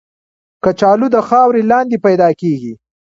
کچالو د خاورې لاندې پیدا کېږي